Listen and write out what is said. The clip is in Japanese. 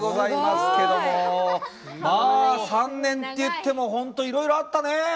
すごい。３年といっても本当、いろいろあったね。